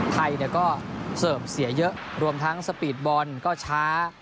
ไทยเนี่ยก็เสิร์ฟเสียเยอะรวมทั้งสปีดบอลก็ช้า